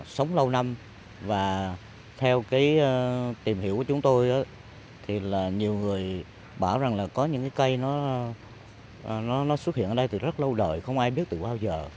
sống lâu năm và theo cái tìm hiểu của chúng tôi thì là nhiều người bảo rằng là có những cái cây nó xuất hiện ở đây từ rất lâu đời không ai biết từ bao giờ